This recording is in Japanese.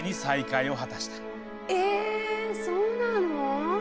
えそうなの？